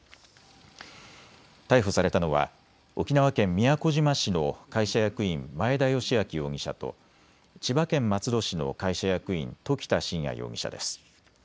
逮捕されたのは沖縄県宮古島市の会社役員、前田由顕容疑者と千葉県松戸市の会社役員、時田慎也容疑者です。